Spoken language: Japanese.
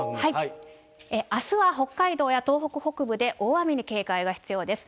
あすは北海道や東北北部で大雨に警戒が必要です。